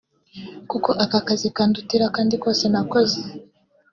kuko aka kazi kandutira akandi kose nakoze